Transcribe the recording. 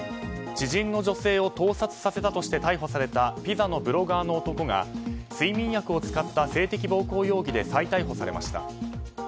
知人の女性を盗撮させたとして逮捕されたピザのブロガーの男が睡眠薬を使った性的暴行容疑で再逮捕されました。